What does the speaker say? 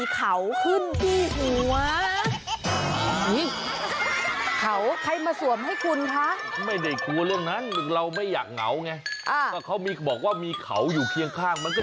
คุณไม่น่าเหงาคนอย่างคุณ